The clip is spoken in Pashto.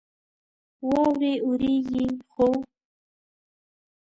واورې اوريږي ،خو